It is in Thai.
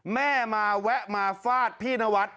แม่มาแวะมาฟาดพี่นวัด